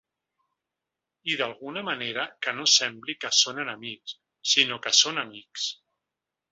I d’alguna manera que no sembli que són enemics, sinó que són amics.